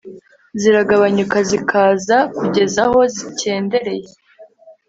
ziragabanyuka zikaza kugeza aho zikendereye